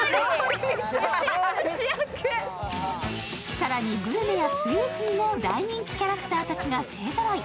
更にグルメやスイーツも大人気キャラクターたちが勢ぞろい。